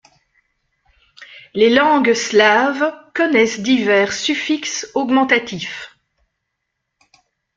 Les langues slaves connaissent divers suffixes augmentatifs.